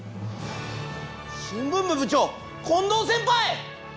新聞部部長近藤先輩！